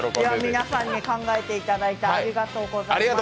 皆さんに考えていただいてありがとうございました。